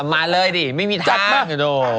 ดะมาเลยดิไม่มีทางด่วง